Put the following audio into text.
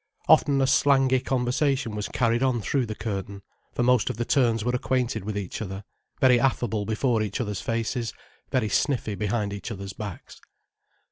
Often a slangy conversation was carried on through the curtain—for most of the turns were acquainted with each other: very affable before each other's faces, very sniffy behind each other's backs.